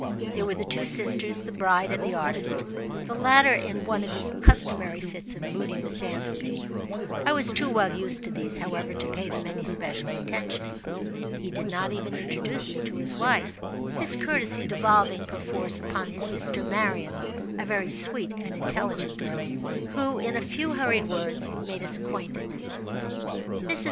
There were the two sisters, the bride, and the artist—the latter in one of his customary fits of moody misanthropy. I was too well used to these, however, to pay them any special attention. He did not even introduce me to his wife—this courtesy devolving, per force, upon his sister Marian—a very sweet and intelligent girl, who, in a few hurried words, made us acquainted. Mrs.